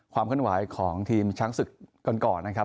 ความขึ้นหวายของทีมชั้นศึกก่อนนะครับ